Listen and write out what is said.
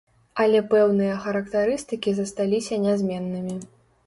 Але пэўныя характарыстыкі засталіся нязменнымі.